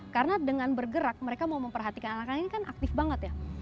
karena dengan bergerak mereka mau memperhatikan anak anak ini kan aktif banget ya